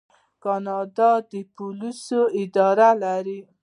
کاناډا د پولیسو اداره لري.